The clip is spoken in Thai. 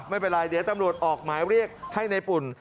ไม่เป็นไรเดี๋ยวตำรวจออกหมายเรียกให้ในปุ่น